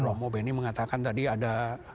romo beni mengatakan tadi ada